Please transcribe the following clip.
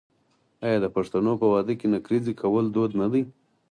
آیا د پښتنو په واده کې نکریزې کول دود نه دی؟